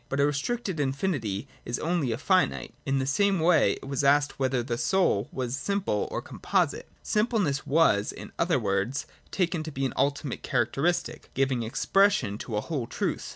But a restricted infinity is itself only a finite. In the same way it was asked whether the soul was simple or composite. Simpleness was, in other words, taken to be an ultimate characteristic, giving expression to a whole truth.